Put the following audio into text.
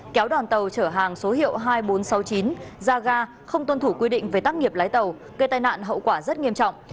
kéo đoàn tàu chở hàng số hiệu hai nghìn bốn trăm sáu mươi chín ra ga không tuân thủ quy định về tác nghiệp lái tàu gây tai nạn hậu quả rất nghiêm trọng